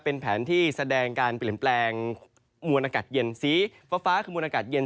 เป็นแผนที่แสดงการเปลี่ยนแปลงมวลอากาศเย็นสีฟ้าคือมวลอากาศเย็น